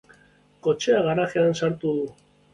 Kotxea garajean sartu du.